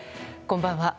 こんばんは。